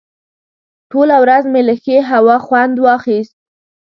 ټوله ورځ مې له ښې هوا خوند واخیست.